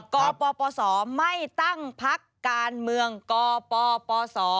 กปศไม่ตั้งพักการเมืองกปปศ